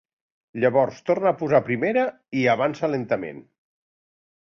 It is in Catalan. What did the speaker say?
Llavors torna a posar primera i avança lentament.